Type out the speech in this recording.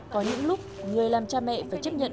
có những lúc người làm cha mẹ phải chấp nhận